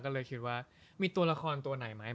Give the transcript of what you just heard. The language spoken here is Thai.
ก็เลยคิดว่ามีตัวละครตัวไหนไหม